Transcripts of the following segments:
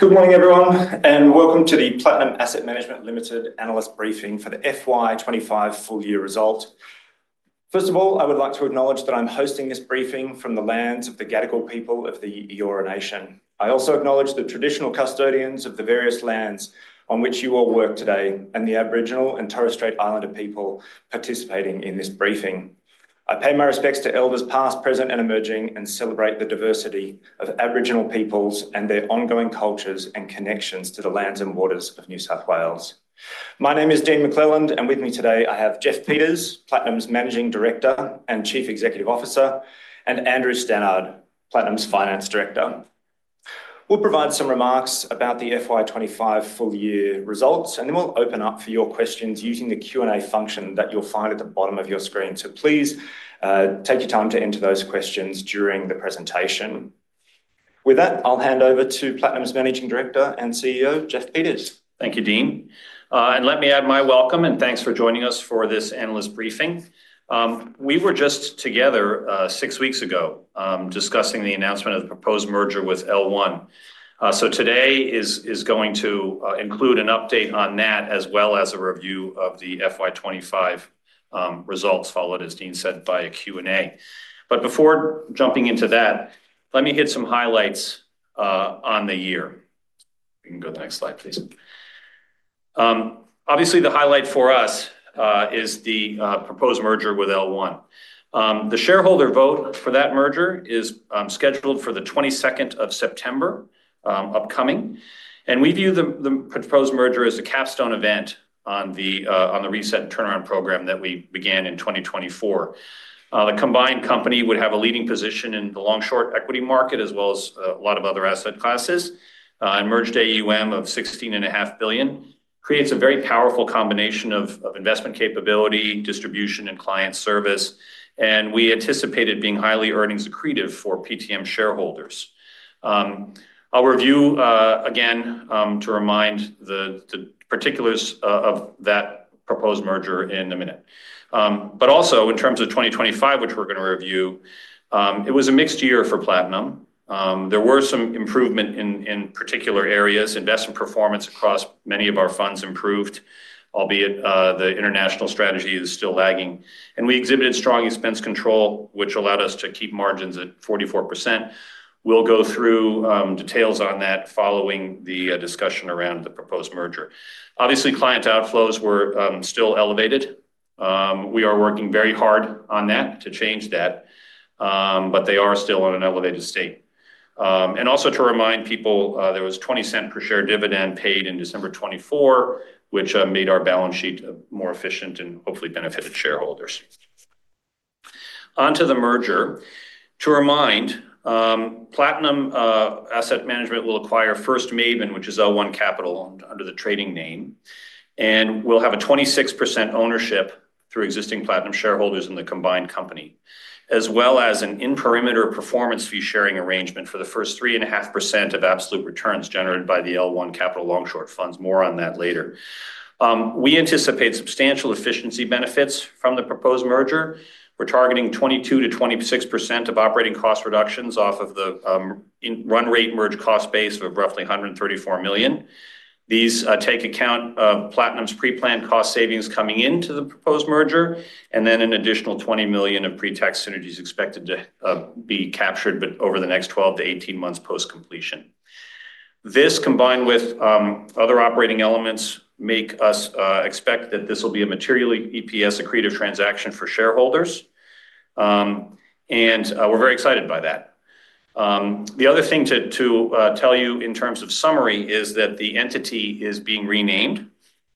Good morning, everyone, and welcome to the Platinum Asset Management Limited Analyst Briefing for the FY 2025 full-year result. First of all, I would like to acknowledge that I'm hosting this briefing from the lands of the Gadigal people of the Eora Nation. I also acknowledge the traditional custodians of the various lands on which you all work today and the Aboriginal and Torres Strait Islander people participating in this briefing. I pay my respects to Elders past, present, and emerging, and celebrate the diversity of Aboriginal peoples and their ongoing cultures and connections to the lands and waters of New South Wales. My name is Dean McLelland, and with me today I have Jeff Peters, Platinum's Managing Director and Chief Executive Officer, and Andrew Stannard, Platinum's Finance Director. We'll provide some remarks about the FY 2025 full-year results, and then we'll open up for your questions using the Q&A function that you'll find at the bottom of your screen. Please take your time to enter those questions during the presentation. With that, I'll hand over to Platinum's Managing Director and CEO, Jeff Peters. Thank you, Dean. Let me add my welcome and thanks for joining us for this analyst briefing. We were just together six weeks ago discussing the announcement of the proposed merger with L1. Today is going to include an update on that as well as a review of the FY 2025 results, followed, as Dean said, by a Q&A. Before jumping into that, let me hit some highlights on the year. You can go to the next slide, please. Obviously, the highlight for us is the proposed merger with L1. The shareholder vote for that merger is scheduled for the 22nd of September, upcoming. We view the proposed merger as a capstone event on the reset and turnaround program that we began in 2024. The combined company would have a leading position in the long-short equities market, as well as a lot of other asset classes. Merged assets under management (AUM) of $16.5 billion creates a very powerful combination of investment capability, distribution, and client service. We anticipate it being highly earnings accretive for PTM shareholders. I'll review again to remind the particulars of that proposed merger in a minute. In terms of 2025, which we're going to review, it was a mixed year for Platinum. There were some improvements in particular areas. Investment performance across many of our funds improved, albeit the international strategy is still lagging. We exhibited strong expense control, which allowed us to keep margins at 44%. We'll go through details on that following the discussion around the proposed merger. Client outflows were still elevated. We are working very hard on that to change that, but they are still in an elevated state. Also to remind people, there was a $0.20 per share dividend paid in December 2024, which made our balance sheet more efficient and hopefully benefited shareholders. Onto the merger. To remind, Platinum Asset Management will acquire First Maven, which is L1 Capital under the trading name, and we'll have a 26% ownership through existing Platinum shareholders in the combined company, as well as an in-perimeter performance fee sharing arrangement for the first 3.5% of absolute returns generated by the L1 Capital long-short funds. More on that later. We anticipate substantial efficiency benefits from the proposed merger. We're targeting 22%-26% of operating cost reductions off of the run-rate merged cost base of roughly $134 million. These take account of Platinum's pre-planned cost savings coming into the proposed merger, and then an additional $20 million of pre-tax synergies expected to be captured over the next 12-18 months post-completion. This, combined with other operating elements, makes us expect that this will be a materially EPS accretive transaction for shareholders, and we're very excited by that. The other thing to tell you in terms of summary is that the entity is being renamed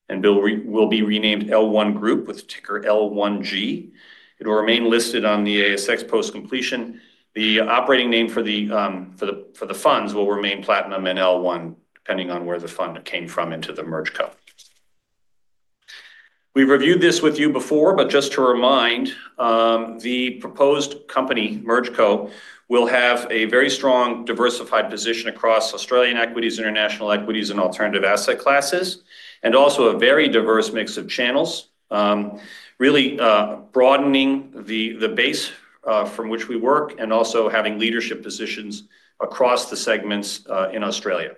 and will be renamed L1 Group with ticker L1G. It will remain listed on the ASX post-completion. The operating name for the funds will remain Platinum and L1, depending on where the fund came from into the MergeCo. We've reviewed this with you before, but just to remind, the proposed company, MergeCo, will have a very strong diversified position across Australian equities, international equities, and alternative asset classes, and also a very diverse mix of channels, really broadening the base from which we work and also having leadership positions across the segments in Australia.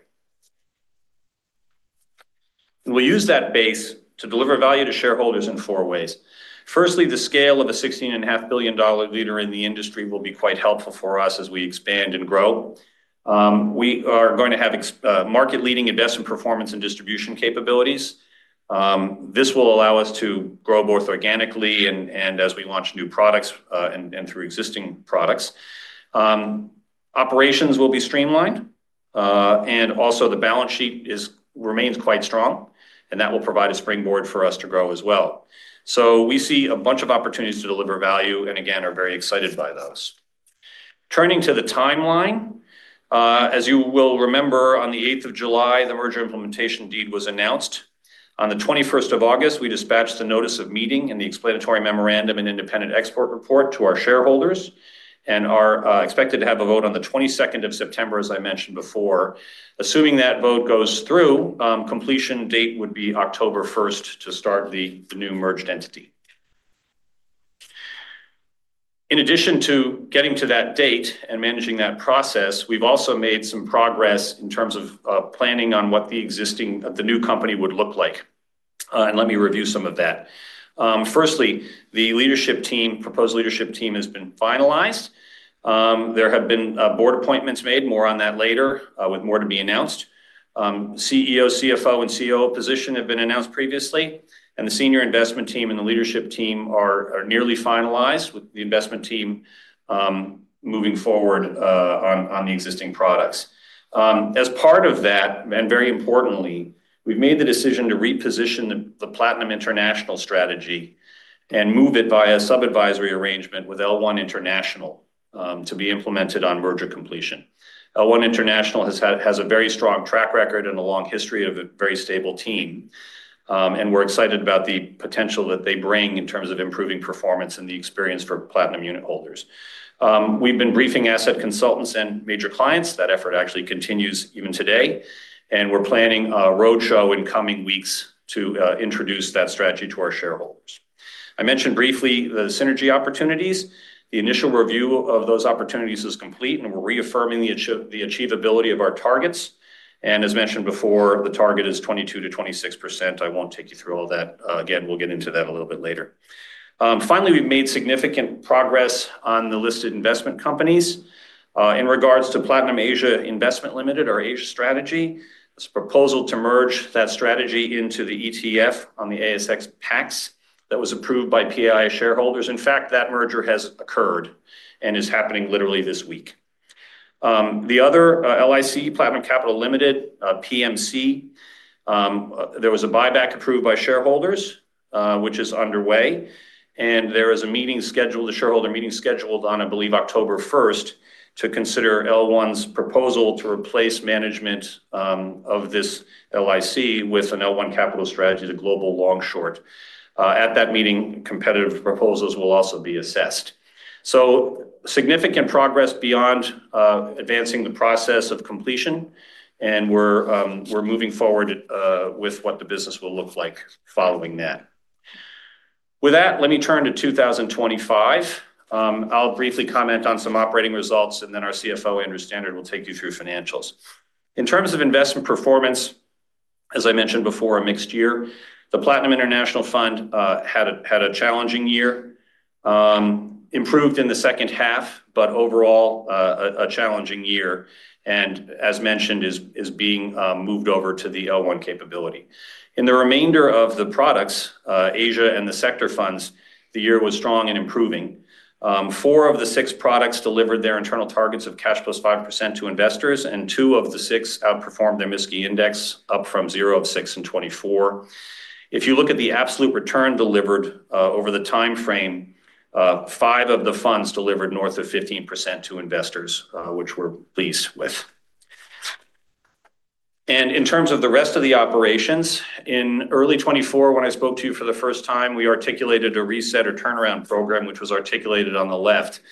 We'll use that base to deliver value to shareholders in four ways. Firstly, the scale of a $16.5 billion leader in the industry will be quite helpful for us as we expand and grow. We are going to have market-leading indebted performance and distribution capabilities. This will allow us to grow both organically and as we launch new products and through existing products. Operations will be streamlined, and also the balance sheet remains quite strong, and that will provide a springboard for us to grow as well. We see a bunch of opportunities to deliver value and, again, are very excited by those. Turning to the timeline, as you will remember, on the 8th of July, the merger implementation deed was announced. On the 21st of August, we dispatched the notice of meeting and the explanatory memorandum and independent expert report to our shareholders and are expected to have a vote on the 22nd of September, as I mentioned before. Assuming that vote goes through, completion date would be October 1st to start the new merged entity. In addition to getting to that date and managing that process, we've also made some progress in terms of planning on what the existing new company would look like. Let me review some of that. Firstly, the leadership team, proposed leadership team, has been finalized. There have been board appointments made, more on that later, with more to be announced. CEO, CFO, and COO positions have been announced previously, and the Senior Investment Team and the Leadership Team are nearly finalized, with the Investment Team moving forward on the existing products. As part of that, and very importantly, we've made the decision to reposition the Platinum International strategy and move it via a sub-advisory arrangement with L1 International to be implemented on merger completion. L1 International has a very strong track record and a long history of a very stable team, and we're excited about the potential that they bring in terms of improving performance and the experience for Platinum unit holders. We've been briefing asset consultants and major clients. That effort actually continues even today, and we're planning a roadshow in coming weeks to introduce that strategy to our shareholders. I mentioned briefly the synergy opportunities. The initial review of those opportunities is complete, and we're reaffirming the achievability of our targets. As mentioned before, the target is 22%-26%. I won't take you through all that. Again, we'll get into that a little bit later. Finally, we've made significant progress on the listed investment companies. In regards to Platinum Asia Investment Limited, our Asia strategy, it's a proposal to merge that strategy into the ETF on the ASX that was approved by PAI shareholders. In fact, that merger has occurred and is happening literally this week. The other LIC, Platinum Capital Limited, PMC, there was a buyback approved by shareholders, which is underway, and there is a meeting scheduled, a shareholder meeting scheduled on, I believe, October 1st to consider L1's proposal to replace management of this LIC with an L1 Capital strategy, the global long-short. At that meeting, competitive proposals will also be assessed. Significant progress beyond advancing the process of completion, and we're moving forward with what the business will look like following that. With that, let me turn to 2025. I'll briefly comment on some operating results, and then our CFO, Andrew Stannard, will take you through financials. In terms of investment performance, as I mentioned before, a mixed year. The Platinum International Fund had a challenging year, improved in the second half, but overall a challenging year, and as mentioned, is being moved over to the L1 capability. In the remainder of the products, Asia and the sector funds, the year was strong and improving. Four of the six products delivered their internal targets of cash plus 5% to investors, and two of the six outperformed their MSCI index, up from zero of six in 2024. If you look at the absolute return delivered over the timeframe, five of the funds delivered north of 15% to investors, which we're pleased with. In terms of the rest of the operations, in early 2024, when I spoke to you for the first time, we articulated a reset or turnaround program, which was articulated on the left.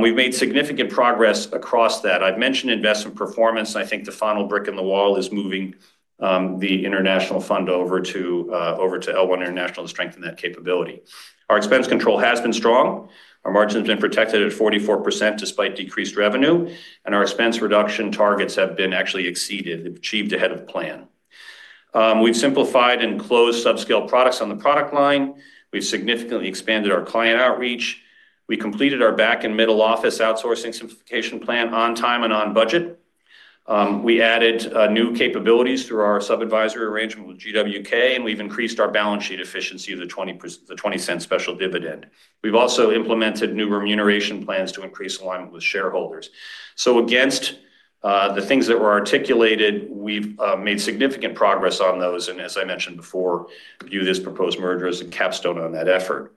We've made significant progress across that. I've mentioned investment performance. I think the final brick in the wall is moving the International Fund over to L1 to strengthen that capability. Our expense control has been strong. Our margin has been protected at 44% despite decreased revenue, and our expense reduction targets have been actually exceeded, achieved ahead of plan. We've simplified and closed subscale products on the product line. We've significantly expanded our client outreach. We completed our back and middle office outsourcing simplification plan on time and on budget. We added new capabilities through our sub-advisory arrangement with GWK, and we've increased our balance sheet efficiency off the $0.20 special dividend. We've also implemented new remuneration plans to increase alignment with shareholders. Against the things that were articulated, we've made significant progress on those, and as I mentioned before, view this proposed merger as a capstone on that effort.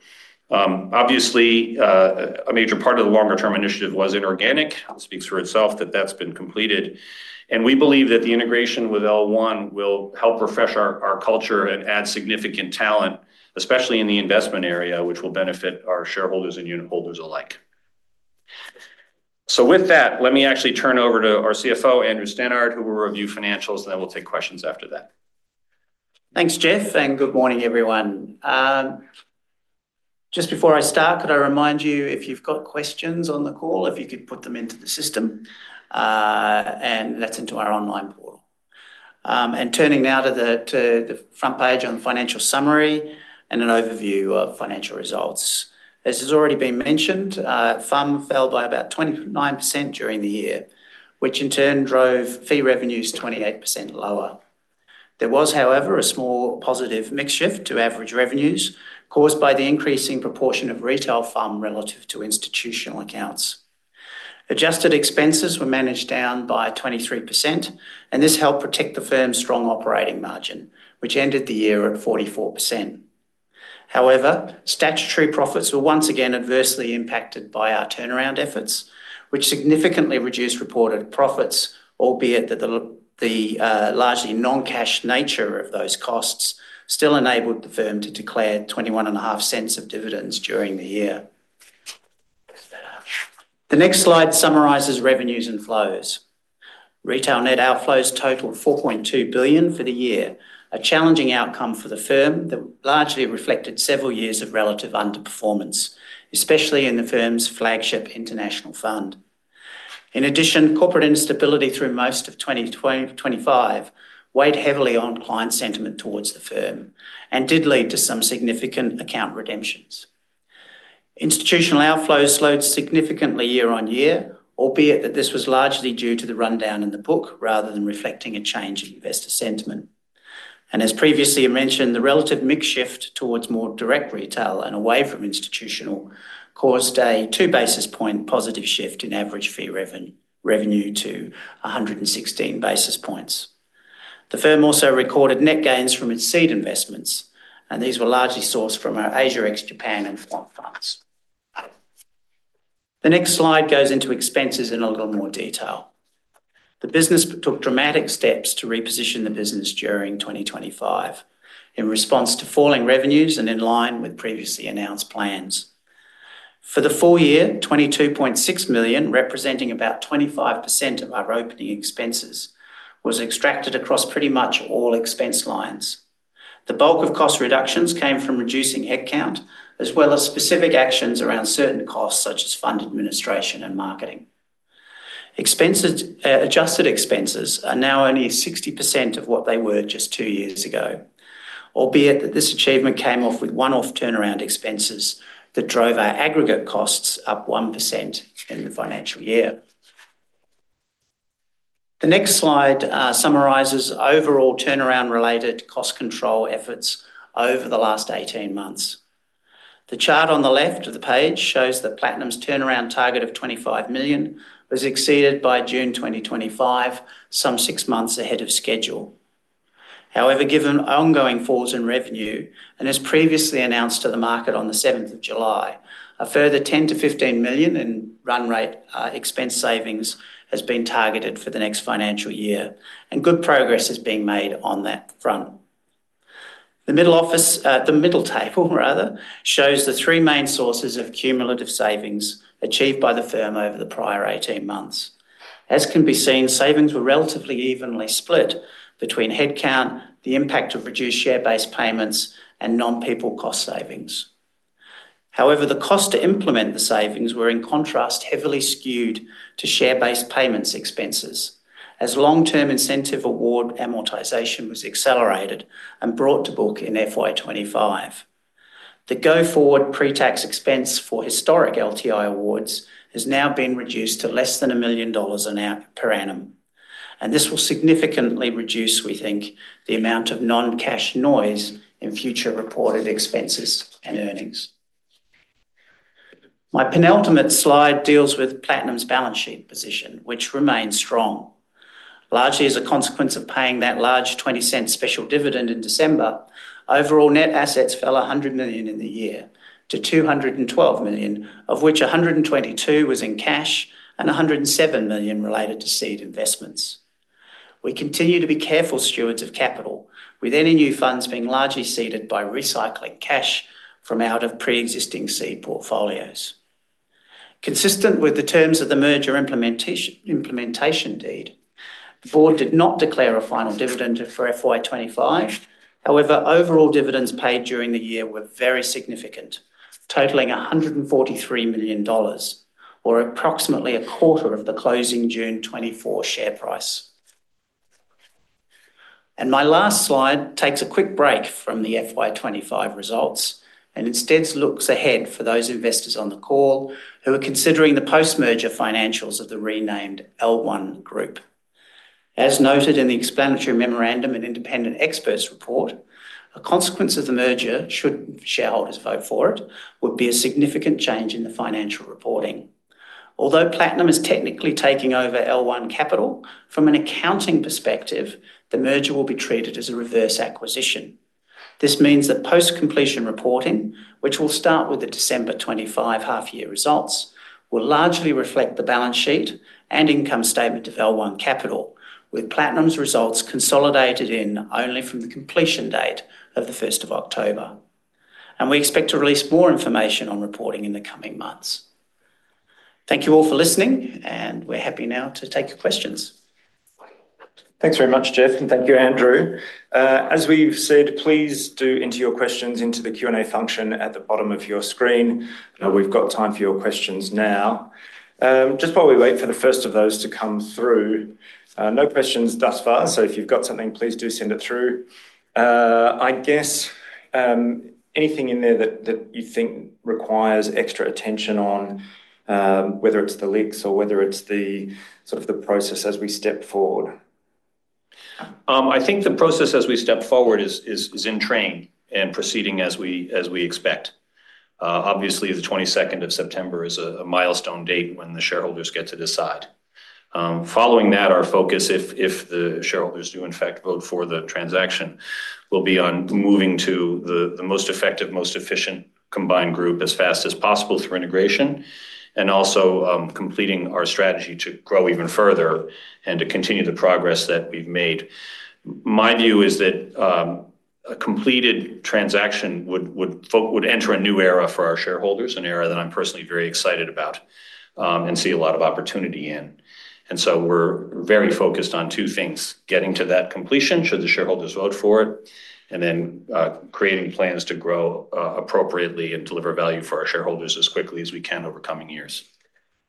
Obviously, a major part of the longer-term initiative was inorganic. It speaks for itself that that's been completed, and we believe that the integration with L1 will help refresh our culture and add significant talent, especially in the investment area, which will benefit our shareholders and unit holders alike. With that, let me actually turn over to our CFO, Andrew Stannard, who will review financials, and then we'll take questions after that. Thanks, Jeff, and good morning, everyone. Just before I start, could I remind you, if you've got questions on the call, if you could put them into the system and let's enter our online portal. Turning now to the front page on the financial summary and an overview of financial results. As has already been mentioned, funds under management (FUM) fell by about 29% during the year, which in turn drove fee revenues 28% lower. There was, however, a small positive mix shift to average revenues caused by the increasing proportion of retail FUM relative to institutional accounts. Adjusted expenses were managed down by 23%, and this helped protect the firm's strong operating margin, which ended the year at 44%. However, statutory profits were once again adversely impacted by our turnaround program, which significantly reduced reported profits, albeit that the largely non-cash nature of those costs still enabled the firm to declare $21.5 of dividends during the year. The next slide summarizes revenues and flows. Retail net outflows totaled $4.2 billion for the year, a challenging outcome for the firm that largely reflected several years of relative underperformance, especially in the firm's flagship International Fund. In addition, corporate instability through most of 2025 weighed heavily on client sentiment towards the firm and did lead to some significant account redemptions. Institutional outflows slowed significantly year on year, albeit that this was largely due to the rundown in the book rather than reflecting a change in investor sentiment. As previously mentioned, the relative mix shift towards more direct retail and away from institutional caused a two basis point positive shift in average fee revenue to 116 basis points. The firm also recorded net gains from its seed investments, and these were largely sourced from our Asia ex-Japan funds. The next slide goes into expenses in a little more detail. The business took dramatic steps to reposition the business during 2025 in response to falling revenues and in line with previously announced plans. For the full year, $22.6 million, representing about 25% of our opening expenses, was extracted across pretty much all expense lines. The bulk of cost reductions came from reducing headcount, as well as specific actions around certain costs, such as fund administration and marketing. Adjusted expenses are now only 60% of what they were just two years ago, albeit that this achievement came off with one-off turnaround expenses that drove our aggregate costs up 1% in the financial year. The next slide summarizes overall turnaround-related cost control efforts over the last 18 months. The chart on the left of the page shows that Platinum's turnaround target of $25 million was exceeded by June 2025, some six months ahead of schedule. However, given ongoing falls in revenue, and as previously announced to the market on the 7th of July, a further $10 million-$15 million in run-rate expense savings has been targeted for the next financial year, and good progress is being made on that front. The middle table, rather, shows the three main sources of cumulative savings achieved by the firm over the prior 18 months. As can be seen, savings were relatively evenly split between headcount, the impact of reduced share-based payments, and non-people cost savings. However, the cost to implement the savings were, in contrast, heavily skewed to share-based payments expenses, as long-term incentive award amortization was accelerated and brought to book in FY 2025. The go-forward pre-tax expense for historic LTI awards has now been reduced to less than $1 million per annum, and this will significantly reduce, we think, the amount of non-cash noise in future reported expenses and earnings. My penultimate slide deals with Platinum's balance sheet position, which remains strong. Largely, as a consequence of paying that large $0.20 special dividend in December, overall net assets fell $100 million in the year to $212 million, of which $122 million was in cash and $107 million related to seed investments. We continue to be careful stewards of capital, with any new funds being largely seeded by recycling cash from out of pre-existing seed portfolios. Consistent with the terms of the merger implementation deed, the Board did not declare a final dividend for FY 2025. However, overall dividends paid during the year were very significant, totaling $143 million, or approximately a quarter of the closing June 2024 share price. My last slide takes a quick break from the FY 2025 results and instead looks ahead for those investors on the call who are considering the post-merger financials of the renamed L1 Group. As noted in the explanatory memorandum and independent expert's report, a consequence of the merger, should shareholders vote for it, would be a significant change in the financial reporting. Although Platinum is technically taking over L1 Capital, from an accounting perspective, the merger will be treated as a reverse acquisition. This means that post-completion reporting, which will start with the December 2025 half-year results, will largely reflect the balance sheet and income statement of L1 Capital, with Platinum's results consolidated in only from the completion date of 1st of October. We expect to release more information on reporting in the coming months. Thank you all for listening, and we're happy now to take your questions. Thanks very much, Jeff, and thank you, Andrew. As we've said, please do enter your questions into the Q&A function at the bottom of your screen. We've got time for your questions now. Just while we wait for the first of those to come through, no questions thus far. If you've got something, please do send it through. I guess anything in there that you think requires extra attention on, whether it's the leaks or whether it's the sort of the process as we step forward? I think the process as we step forward is in train and proceeding as we expect. Obviously, the 22nd of September is a milestone date when the shareholders get to decide. Following that, our focus, if the shareholders do in fact vote for the transaction, will be on moving to the most effective, most efficient combined group as fast as possible for integration and also completing our strategy to grow even further and to continue the progress that we've made. My view is that a completed transaction would enter a new era for our shareholders, an era that I'm personally very excited about and see a lot of opportunity in. We are very focused on two things: getting to that completion, should the shareholders vote for it, and then creating plans to grow appropriately and deliver value for our shareholders as quickly as we can over coming years.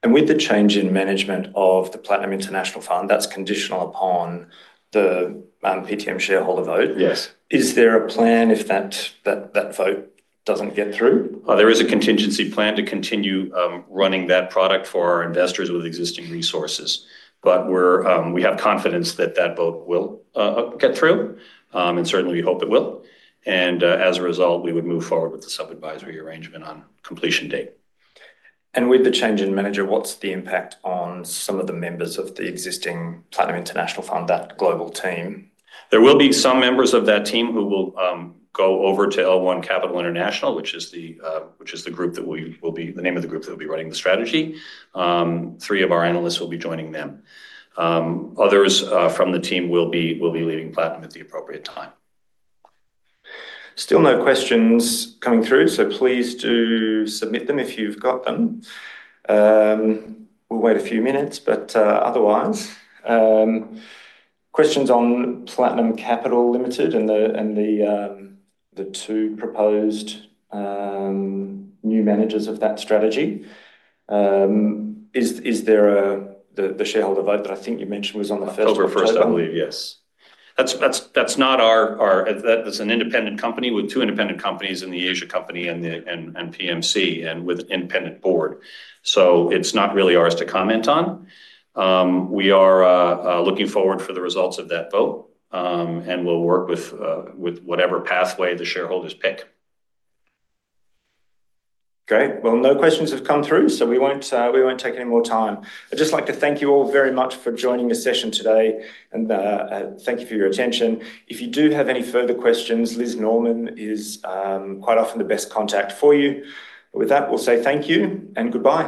The change in management of the Platinum International Fund is conditional upon the PTM shareholder vote. Yes. Is there a plan if that vote doesn't get through? There is a contingency plan to continue running that product for our investors with existing resources, but we have confidence that that vote will get through and certainly hope it will. As a result, we would move forward with the sub-advisory arrangement on completion date. With the change in manager, what's the impact on some of the members of the existing Platinum International Fund, that global team? There will be some members of that team who will go over to L1 Capital International, which is the group that will be the name of the group that will be writing the strategy. Three of our analysts will be joining them. Others from the team will be leading Platinum at the appropriate time. Still no questions coming through, so please do submit them if you've got them. We'll wait a few minutes, but otherwise, questions on Platinum Capital Limited and the two proposed new managers of that strategy. Is there the shareholder vote that I think you mentioned was on the 1st of August? October 1st, I believe, yes. That's not our—that's an independent company with two independent companies in the Asia company and PMC, and with an independent board. It's not really ours to comment on. We are looking forward to the results of that vote, and we'll work with whatever pathway the shareholders pick. Great. No questions have come through, so we won't take any more time. I'd just like to thank you all very much for joining the session today, and thank you for your attention. If you do have any further questions, Liz Norman is quite often the best contact for you. With that, we'll say thank you and goodbye.